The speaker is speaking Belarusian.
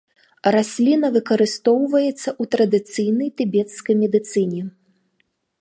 Расліна выкарыстоўваецца ў традыцыйнай тыбецкай медыцыне.